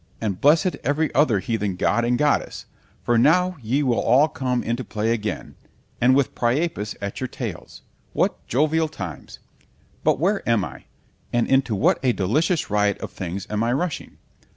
_ and blessed every other heathen god and goddess! for now ye will all come into play again, and with Priapus at your tails——what jovial times!——but where am I? and into what a delicious riot of things am I rushing?